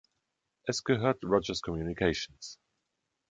Es gehört Rogers Communications.